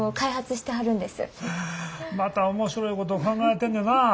また面白いことを考えてんねんなぁ。